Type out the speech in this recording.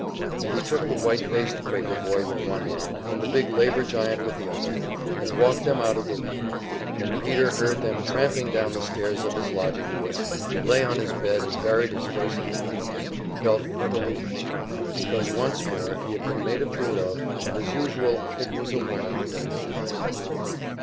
And he took the white faced Quaker boy with one hand, and the big labor giant with the other, and walked them out of the room, and Peter heard them tramping down the stairs of his lodging house, and he lay on his bed and buried his face in the pillows, and felt utterly wretched, because once more he had been made a fool of, and as usual it was a woman that had done it.